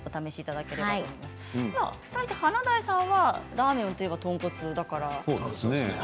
華大さんはラーメンといえば豚骨だから。